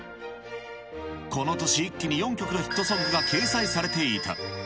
この年、一気に４曲のヒットソングが掲載されていた。